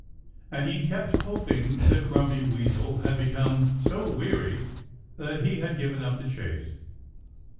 And he kept hoping that Grumpy Weasel had become so weary that he had given up the chase.